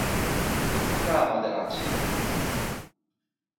দক্ষতা আমাদের আছে।